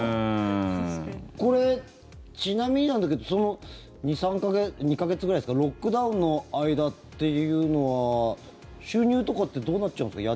これ、ちなみになんだけど２か月くらいロックダウンの間っていうのは収入とかってどうなっちゃうんですか？